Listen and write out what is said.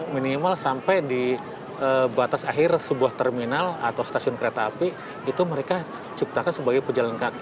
minimal sampai di batas akhir sebuah terminal atau stasiun kereta api itu mereka ciptakan sebagai pejalan kaki